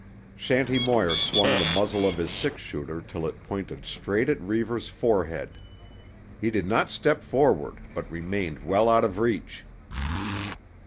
Shanty Moir swung the muzzle of his six shooter till it pointed straight at Reivers's forehead. He did not step forward, but remained well out of reach.